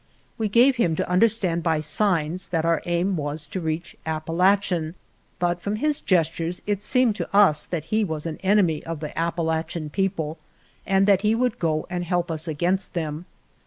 We gave him to under stand by signs that our aim was to reach Apalachen, but from his gestures it seemed to us that he was an enemy of the Apalachen people and that he would go and help us against them.